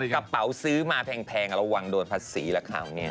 กระเป๋าซื้อมาแพงระวังโดนผัดศรีหรือคราวนี้